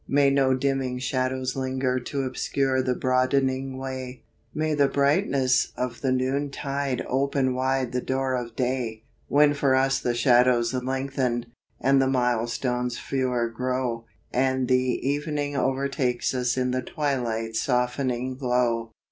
May no dimming shadows linger To obscure the broadening way, May the brightness of the noontide Open wide the door of day. When for us the .shadows lengthen And the mile stones fewer grow, And the evening overtakes us In the twilight's softening glow.